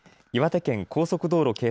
岩手県高速道路